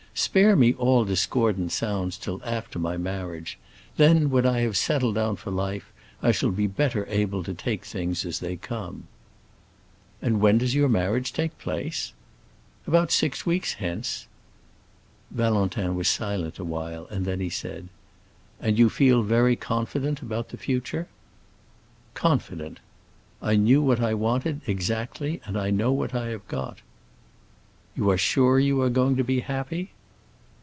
Spare me all discordant sounds until after my marriage. Then, when I have settled down for life, I shall be better able to take things as they come." "And when does your marriage take place?" "About six weeks hence." Valentin was silent a while, and then he said, "And you feel very confident about the future?" "Confident. I knew what I wanted, exactly, and I know what I have got." "You are sure you are going to be happy?"